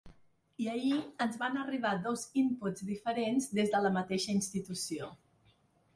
I ahir ens van arribar dos inputs diferents des de la mateixa institució.